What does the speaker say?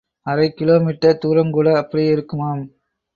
அரை kilometre துரங்கூட அப்படியே இருக்குமாம்.